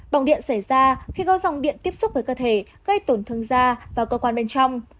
bỏng điện xảy ra khi có dòng điện tiếp xúc với cơ thể gây tổn thương da vào cơ quan bên trong